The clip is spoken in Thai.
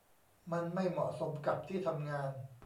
มันไม่เหมาะสมกับที่ทำงาน